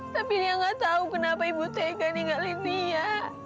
tapi saya tidak tahu kenapa ibu tegah ninggalin lia